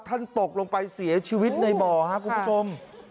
ตกลงไปเสียชีวิตในบ่อครับคุณผู้ชม